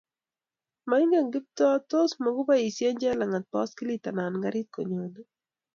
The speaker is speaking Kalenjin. mainge Kiptoo tos mukuboisie Jelagat baiskilit anan karit konyone